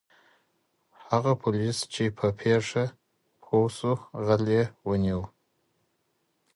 هغه پولیس چي په پېښه پوه سو غل یې ونیو.